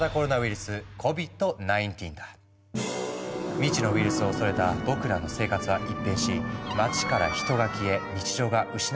未知のウイルスを恐れた僕らの生活は一変し街から人が消え日常が失われていったよね。